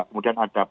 kemudian ada menkes